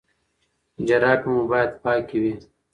جرابې مو باید پاکې وي.